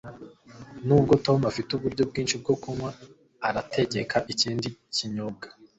Nubwo Tom afite uburyo bwinshi bwo kunywa arategeka ikindi kinyobwa